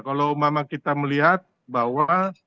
kalau memang kita melihat bahwa